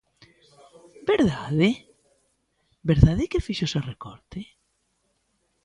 ¿Verdade?, ¿verdade que fixo ese recorte?